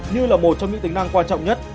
như là một trong những tính năng quan trọng nhất